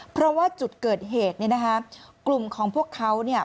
เพราะว่าจุดเกิดเหตุเนี่ยนะคะกลุ่มของพวกเขาเนี่ย